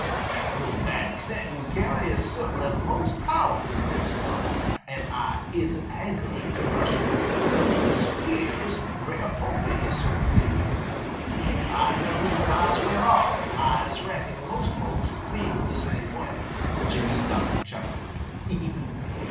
That li'l bag of scent yo' carry is cert'nly most powerful, Brer Skunk, and Ah isn't hankering to brush against those little spears Brer Porky is so free with. Ah knows when Ah's well off, and Ah reckons most folks feel the same way." Jimmy Skunk chuckled.